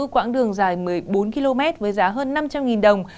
quãng đường dài một mươi bốn km với giá hơn năm trăm linh đồng